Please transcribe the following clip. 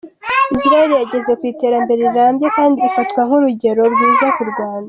Israel yageze ku iterambere rirambye kandi ifatwa nk’urugero rwiza ku Rwanda.